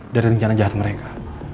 dari rencana jahat mereka